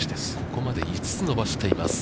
ここまで５つ伸ばしています。